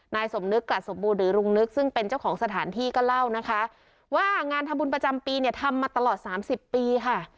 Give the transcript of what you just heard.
สมนึกกลัดสมบูรณหรือลุงนึกซึ่งเป็นเจ้าของสถานที่ก็เล่านะคะว่างานทำบุญประจำปีเนี่ยทำมาตลอดสามสิบปีค่ะ